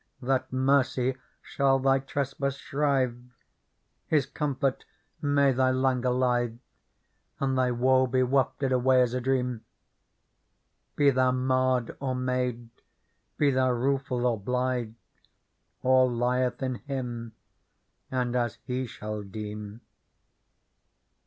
That mercy shall thy trespass shrive ; His comfort may thy languor lithe,^ And thy woe be wafted away as a dream. Be thou marred or made, be thou rueful or blithe. All lieth in Him and as He shall deem."